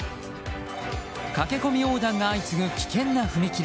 駆け込み横断が相次ぐ危険な踏切。